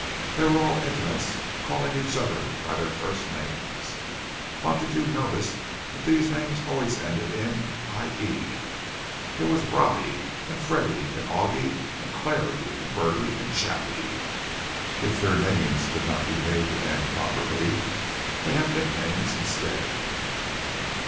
They were all intimates, calling each other by their first names. Montague noticed that these names always ended in "ie,"—there was Robbie and Freddie and Auggie and Clarrie and Bertie and Chappie; if their names could not be made to end properly, they had nicknames instead.